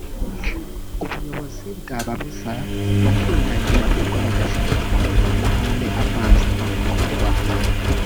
ubuyobozi bwababuza bakinangira ahubwo bagashaka guteza amahane avanzemo no kurwana